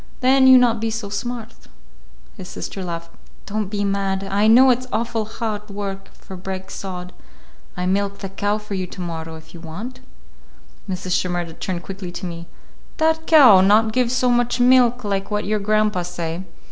Then you not be so smart." His sister laughed. "Don't be mad. I know it's awful hard work for break sod. I milk the cow for you to morrow, if you want." Mrs. Shimerda turned quickly to me. "That cow not give so much milk like what your grandpa say.